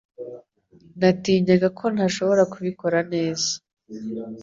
Natinyaga ko ntashobora kubikora neza